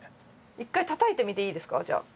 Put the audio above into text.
一回たたいてみていいですかじゃあ。